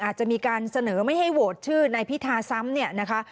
อาจจะมีการเสนอไม่ให้โหวตชื่อนายพิธาซ้ำเนี่ยนะคะ